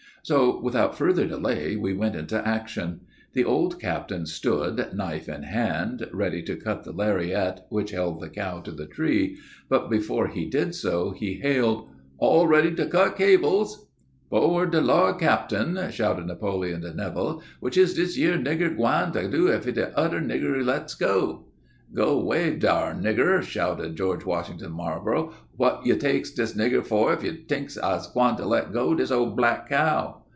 "So, without farther delay, we went into action. The old captain stood, knife in hand, ready to cut the lariat which held the cow to the tree, but, before he did so, he hailed, 'All ready to cut cables!' "'Fo' de lawd, cap'in!' yelled Napoleon de Neville, 'what is dis yere nigger gwine to do if de udder nigger lets go?' "'Go way dar, nigger!' retorted George Washington Marlborough; 'what you takes dis nigger for if you tinks I's gwine to let go dis ole black cow?'